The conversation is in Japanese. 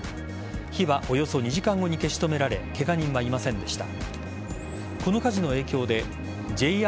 火はおよそ２時間後に消し止められケガ人はいませんでした。